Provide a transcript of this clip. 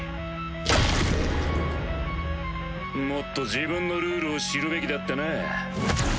ドスンもっと自分のルールを知るべきだったな。